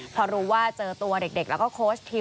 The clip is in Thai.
พอรู้ว่าเจอตัวเด็กแล้วก็โค้ชทีม